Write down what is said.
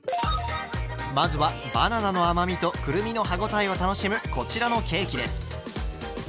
まずはバナナの甘みとくるみの歯応えを楽しむこちらのケーキです。